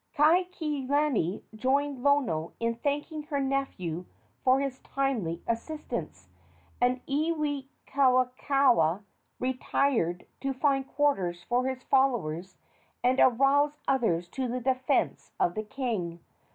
Kaikilani joined Lono in thanking her nephew for his timely assistance, and Iwikauikaua retired to find quarters for his followers and arouse others to the defence of the king.